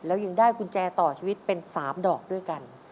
แล้วยังได้กุญแจต่อชีวิตเป็น๓ดอกด้วยกัน